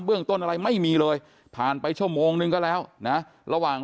เรื่องต้นอะไรไม่มีเลยผ่านไปชั่วโมงนึงก็แล้วนะระหว่าง